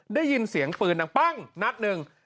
ได้ยินเสียงปืนตรงนั่งปังนัดนึง